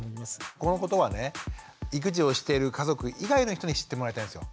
このことは育児をしてる家族以外の人に知ってもらいたいんですよ。